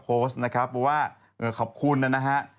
โพสต์นะครับว่าขอบคุณนะฮะ